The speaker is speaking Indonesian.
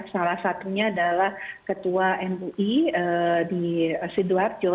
salah satunya adalah ketua mui di sidoarjo